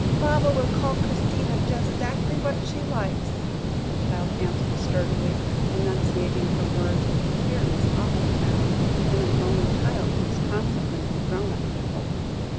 "Baba will call Christina just 'zactly what she likes," the child answered sturdily, enunciating her words with the clearness often found in an only child who is constantly with grown up people.